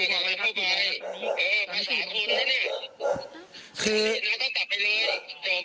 บอกว่ารอหน่อยได้ไหมมากันเข้าไปเออประสาทคุณนะเนี่ยคือ